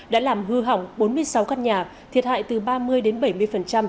đã làm hư hỏng bốn mươi sáu căn nhà thiệt hại từ ba mươi đến bảy mươi